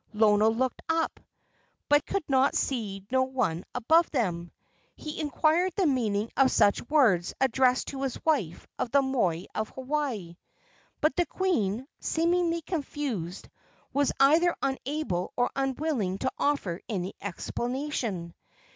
Lono looked up, but could see no one above them. He inquired the meaning of such words addressed to the wife of the moi of Hawaii; but the queen, seemingly confused, was either unable or unwilling to offer any explanation.